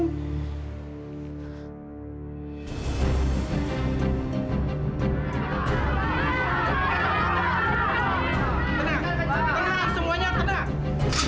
tenang semuanya tenang